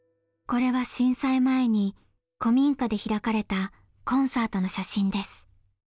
これは震災前に古民家で開かれたコンサートの写真です。